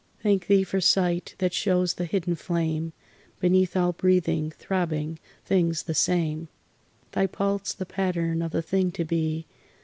Thank Thee for sight that shows the hidden flame Beneath all breathing, throbbing things the same, Thy Pulse the pattern of the thing to be....